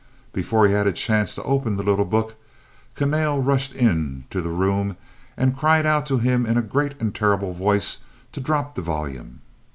Before he had a chance to open the little book Kahnale rushed into the room and cried out to him in a great and terrible voice to drop the volume.